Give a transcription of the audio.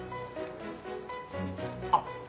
あっ